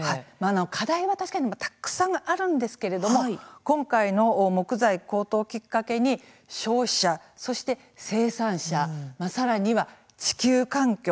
課題はたくさんあるんですけれども今回の木材高騰をきっかけに消費者そして生産者さらには地球環境